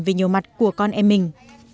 về nhiều mặt của con em mình